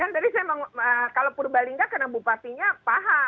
kan tadi saya kalau purbalingga karena bupatinya paham